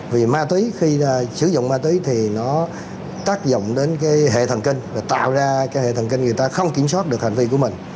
vì ma tí khi sử dụng ma tí thì nó tác dụng đến hệ thần kinh tạo ra hệ thần kinh người ta không kiểm soát được hành vi của mình